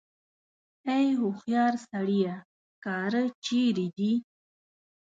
ای هوښیار سړیه سکاره چېرې دي.